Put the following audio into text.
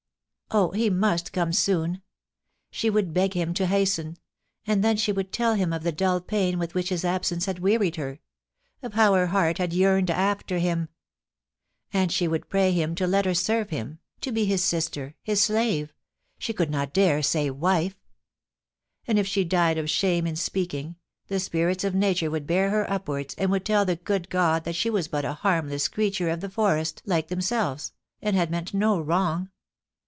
Oh, he must come soon ! She would beg him to hasten ... and then she would tell him of the dull pain with which his absence had wearied her — of how her heart had yearned after him ; and she would pray him to let her serve him — to be his sister, his slave — she could not dare say 'wife.' ... And if she died of shame in speaking, the spirits of nature would bear her upwards, and would tell the good God that she was but a harmless creature of the forest like themselves, and had meant no wrong.